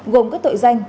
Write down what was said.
gồm các tội danh